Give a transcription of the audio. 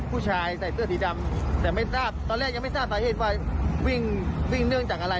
ผู้ชายใส่เสื้อสีดำแต่ไม่ทราบตอนแรกยังไม่ทราบสาเหตุว่าวิ่งวิ่งเนื่องจากอะไร